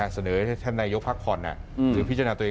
เสนอให้ท่านนายกภาคภรถือพิจารณาตัวเอง